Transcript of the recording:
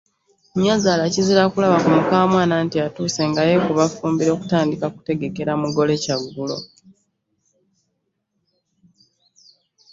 Nnyazaala kizira kulaba ku mukaamwana nti atuuse, nga yeekuba ffumbiro kutandika kutegekera mugole kyaggulo.